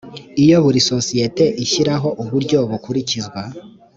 iyo buri sosiyete ishyiraho uburyo bukurikizwa